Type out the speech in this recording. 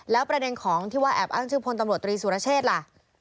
แล้วประเด็นของที่ว่าแอบอ้างชื่อพลตำรวจตรีสุรเชษล่ะ